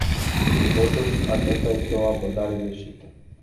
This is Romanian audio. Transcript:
Totuși, aceasta este o abordare greșită.